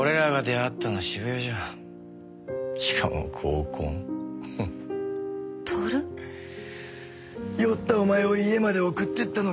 酔ったお前を家まで送ってったのが運の尽き。